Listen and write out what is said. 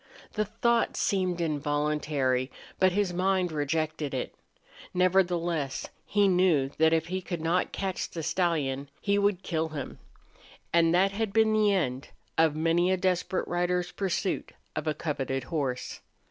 The thought seemed involuntary, but his mind rejected it. Nevertheless, he knew that if he could not catch the stallion he would kill him. That had been the end of many a desperate rider's pursuit of a coveted horse.